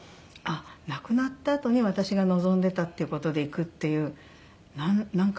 亡くなったあとに私が望んでたっていう事で行くっていうなんか